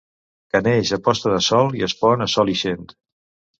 Que neix a posta de sol i es pon a sol ixent.